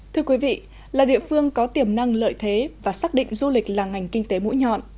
thưa quý vị là địa phương có tiềm năng lợi thế và xác định du lịch là ngành kinh tế mũi nhọn